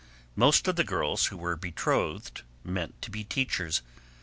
Most of the girls who were not betrothed meant to be teachers.